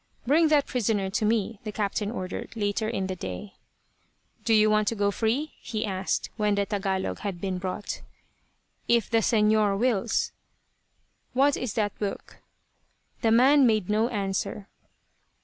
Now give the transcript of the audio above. "Bring that prisoner to me," the captain ordered, later in the day. "Do you want to go free?" he asked, when the Tagalog had been brought. "If the Señor wills." "What is that book?" The man made no answer.